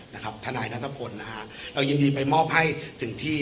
๐๙๕๙๐๖๑๔๖๐นะครับทนายนักทรัพย์คนนะฮะเรายินดีไปมอบให้ถึงที่